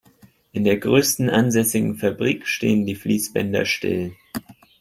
In der größten ansässigen Fabrik stehen die Fließbänder still.